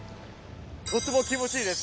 とても気持ちいいです。